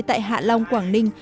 tại hạ long quảng ninh